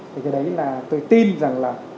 thì cái đấy là tôi tin rằng là